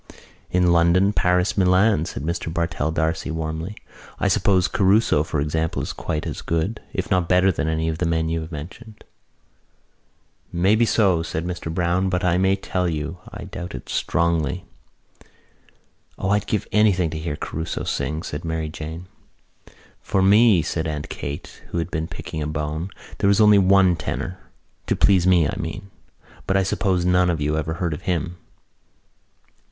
"In London, Paris, Milan," said Mr Bartell D'Arcy warmly. "I suppose Caruso, for example, is quite as good, if not better than any of the men you have mentioned." "Maybe so," said Mr Browne. "But I may tell you I doubt it strongly." "O, I'd give anything to hear Caruso sing," said Mary Jane. "For me," said Aunt Kate, who had been picking a bone, "there was only one tenor. To please me, I mean. But I suppose none of you ever heard of him."